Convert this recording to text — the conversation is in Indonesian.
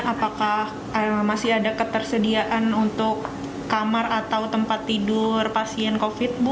apakah masih ada ketersediaan untuk kamar atau tempat tidur pasien covid bu